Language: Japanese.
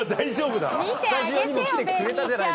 スタジオにも来てくれたじゃない。